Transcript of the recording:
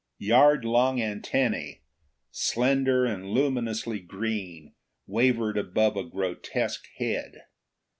Yard long antennae, slender and luminously green, wavered above a grotesque head.